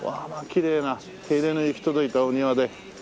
きれいな手入れの行き届いたお庭で。